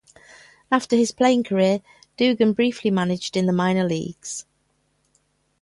After his playing career, Dugan briefly managed in the minor leagues.